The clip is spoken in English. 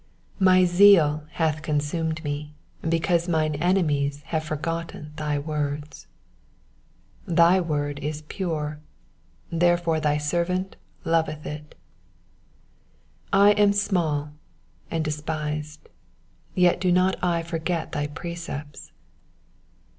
' 139 My zeal hath consumed me, because mine enemies have forgotten thy words. 140 Thy word is very pure : therefore thy servant loveth it. 141 I am small and despised : yet do not I forget thy precepts.